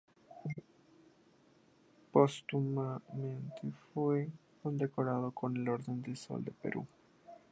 Póstumamente fue condecorado con la Orden del Sol del Perú.